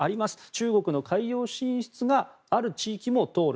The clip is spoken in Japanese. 中国の海洋進出がある地域も通る。